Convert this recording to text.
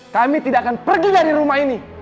kami tidak akan pergi dari rumah ini